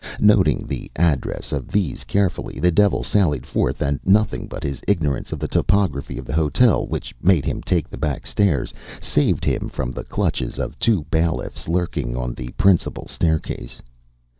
Noting the address of these carefully, the Devil sallied forth, and nothing but his ignorance of the topography of the hotel, which made him take the back stairs, saved him from the clutches of two bailiffs lurking on the principal staircase.